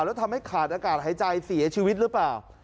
แล้วทำให้ขาดอากาศหายใจเสียชีวิตหรือเปล่า